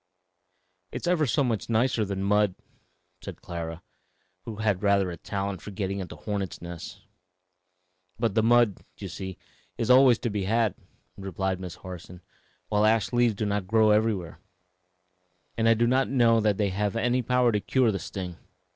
"It's ever so much nicer than mud," said Clara, who had rather a talent for getting into hornets' nests. "But the mud, you see, is always to be had," replied Miss Harson, "while ash leaves do not grow everywhere; and I do not know that they have any power to cure the sting.